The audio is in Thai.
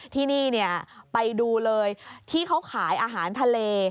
ที่นี่ไปดูเลยที่เขาขายอาหารทะเล